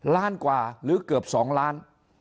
ล้านกว่าหรือเกือบ๒ล้าน